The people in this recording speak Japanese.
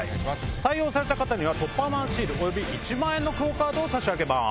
採用された方にはトッパーマンシールおよび１万円のクオカードを差し上げます。